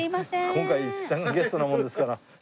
今回五木さんがゲストなもんですから。